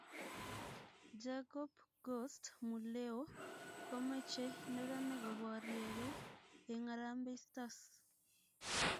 Jacob Ghost Muleeo komochee neranik koboriekei eng Harambee Stars.